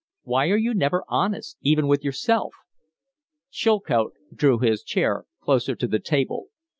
Why are you never honest even with yourself?" Chilcote drew his chair closer to the table.